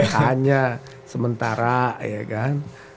hanya sementara ya kan